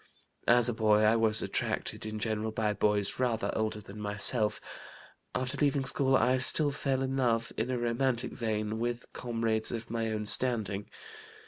"As a boy I was attracted in general by boys rather older than myself; after leaving school I still fell in love, in a romantic vein, with comrades of my own standing.